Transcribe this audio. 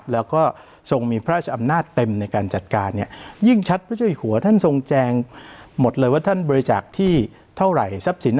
แล้วก็ทรงมีพระราชอำนาจเต็มในการจัดการเนี่ยยิ่งชัดพระเจ้าอยู่หัวท่านทรงแจงหมดเลยว่าท่านบริจาคที่เท่าไหร่ทรัพย์สิน